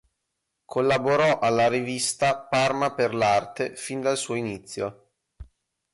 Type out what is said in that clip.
Collaborò alla rivista "Parma per" l’"Arte" fin dal suo inizio.